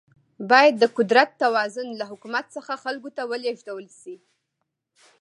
باید د قدرت توازن له حکومت څخه خلکو ته ولیږدول شي.